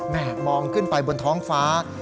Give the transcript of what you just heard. มองขึ้นไปบนท้องฟ้า